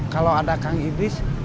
kalau ada kang idris